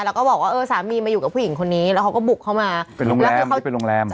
แล้วก็บอกว่าเออสามีมาอยู่กับผู้หญิงคนนี้แล้วเขาก็บุกเข้ามาโรงแรม